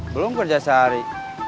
belum kerja sehari